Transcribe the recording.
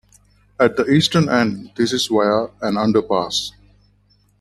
At the eastern end this is via an underpass.